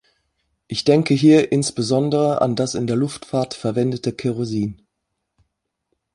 Ich denke hier insbesondere an das in der Luftfahrt verwendete Kerosin.